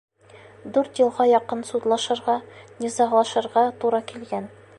Дүрт йылға яҡын судлашырға, низағлашырға тура килгән.